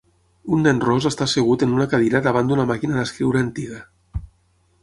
Un nen ros està assegut en una cadira davant d'una màquina d'escriure antiga.